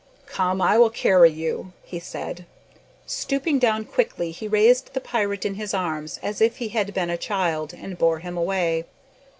"Come, I will carry you," he said. Stooping down quickly, he raised the pirate in his arms as if he had been a child, and bore him away.